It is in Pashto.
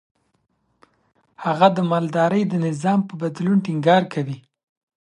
هغه د مالدارۍ د نظام په بدلون ټينګار کوي.